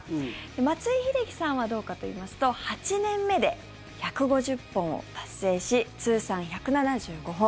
松井秀喜さんはどうかと言いますと８年目で、１５０本を達成し通算１７５本。